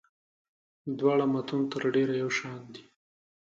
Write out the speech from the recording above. دواړه متون تر ډېره یو شان دي.